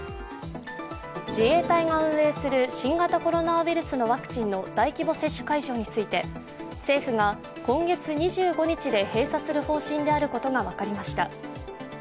自衛隊が運営する新型コロナウイルスのワクチンの大規模接種会場について、政府が今月２５日で閉鎖する方針であることが分かりました。